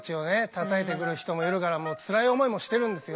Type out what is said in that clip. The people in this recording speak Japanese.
たたいてくる人もいるからもうつらい思いもしてるんですよ。